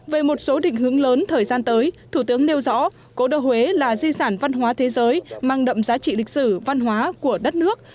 về một số định hướng lớn thời gian tới thủ tướng nêu rõ cố đô huế là di sản văn hóa thế giới mang đậm giá trị lịch sử văn hóa của đất nước